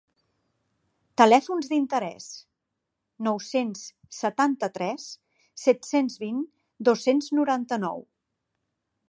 Telèfons d'interès: nou-cents setanta-tres set-cents vint dos-cents noranta-nou.